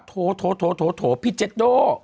โถพี่เจ็กโด